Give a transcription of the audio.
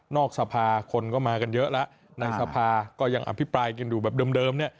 สภาคนก็มากันเยอะแล้วในสภาก็ยังอภิปรายกันอยู่แบบเดิมเนี่ย